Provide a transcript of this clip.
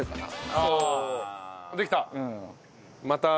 できた。